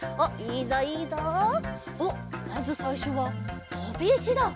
おっまずさいしょはとびいしだ。